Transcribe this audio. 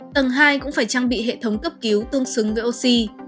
tầng hai cũng phải trang bị hệ thống cấp cứu tương xứng với oxy